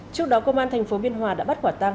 trước đó công an thành phố biên hòa đã bắt quả tang